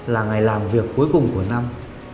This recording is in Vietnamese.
là ngày làm việc cuối cùng của năm